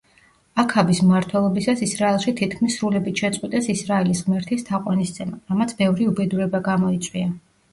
აქაბის მმართველობისას ისრაელში თითქმის სრულებით შეწყვიტეს ისრაელის ღმერთის თაყვანისცემა, რამაც ბევრი უბედურება გამოიწვია.